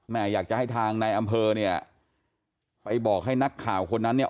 อยากจะให้ทางในอำเภอเนี่ยไปบอกให้นักข่าวคนนั้นเนี่ย